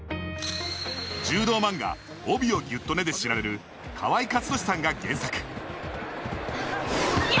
柔道漫画「帯をギュッとね！」で知られる河合克敏さんが原作。